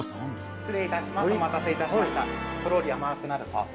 失礼いたします。